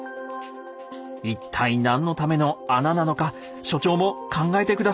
一体何のための穴なのか所長も考えて下さい。